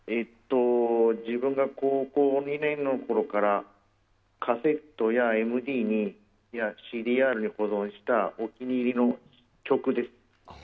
自分が高校２年のころからカセットＭＤやＣＤ‐Ｒに保存したお気に入りの曲です。